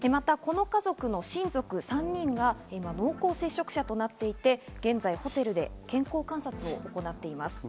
またこの家族の親族３人が濃厚接触者となっていて、現在ホテルで健康観察を行っています。